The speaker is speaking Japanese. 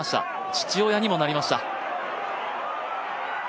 父親にもなりました。